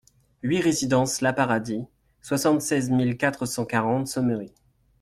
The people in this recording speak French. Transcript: huit résidence la Paradis, soixante-seize mille quatre cent quarante Sommery